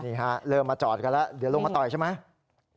นี่ฮะเริ่มมาจอดกันแล้วเดี๋ยวลงมาต่อยใช่ไหม